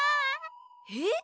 えっ？